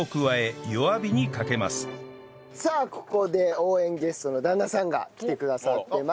さあここで応援ゲストの旦那さんが来てくださってます。